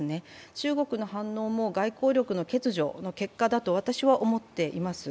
中国の反応も外交力の欠如の結果だと私は思っています。